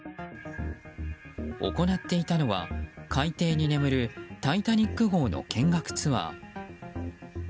行っていたのは海底に眠る「タイタニック号」の見学ツアー。